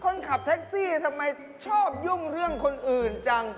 คนขับแท็กซี่ทำไมชอบยุ่งเรื่องคนอื่นจัง